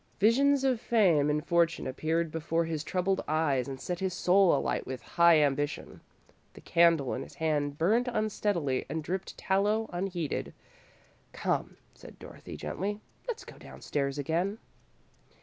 Visions of fame and fortune appeared before his troubled eyes and set his soul alight with high ambition. The candle in his hand burned unsteadily and dripped tallow, unheeded. "Come," said Dorothy, gently, "let's go downstairs again."